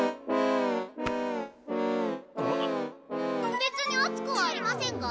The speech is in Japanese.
べつにあつくはありませんが？